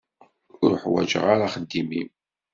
Ur ḥwaǧeɣ ara axeddim-im.